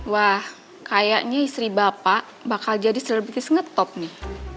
wah kayaknya istri bapak bakal jadi selebitis ngetop nih